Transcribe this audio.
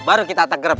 baru kita tegrep